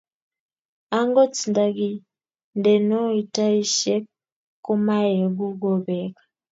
agot ndagindenoi taishek komaegu ku beet